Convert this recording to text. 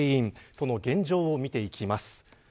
その現状を見ていきます。